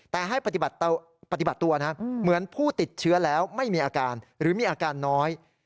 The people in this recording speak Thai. แต่ให้ปฏิบัติตัวนะเหมือนผู้ติดเชื้อแล้วไม่มีอาการหรือมีอาการน้อย